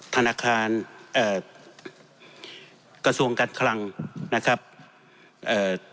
ธนาคารเอ่อกระทรวงการคลังนะครับเอ่อ